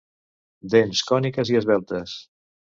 Dents còniques i esveltes.